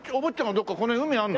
どこかこの辺海あるの？